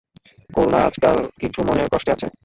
করুণা আজকাল কিছু মনের কষ্টে আছে।